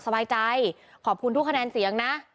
สบายใจขอบคุณทุกคะแนนเสียงนะ